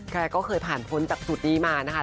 แกก็เคยผ่านท้นจากศูนย์ดีมานะคะ